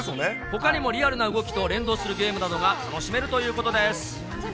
ほかにもリアルな動きと連動するゲームなどが楽しめるということです。